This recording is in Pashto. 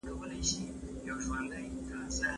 د نبي علیه السلام په زمانه کي یو مسلمان ذمي وواژه.